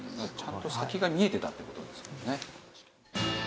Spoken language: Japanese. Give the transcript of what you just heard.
ちゃんと先が見えてたっていう事ですもんね。